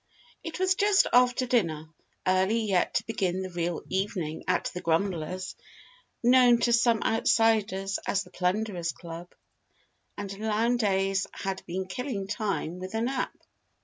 It was just after dinner, early yet to begin the real evening at the Grumblers (known to some outsiders as the "Plunderers") Club; and Lowndes had been killing time with a nap.